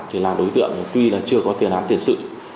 thì là đối tượng tuy là chưa có tiền án tiền sự